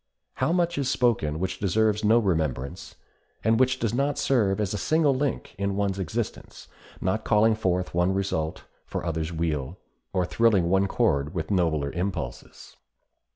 How much is spoken which deserves no remembrance, and which does not serve as a single link in one's existence, not calling forth one result for others' weal, or thrilling one chord with nobler impulses!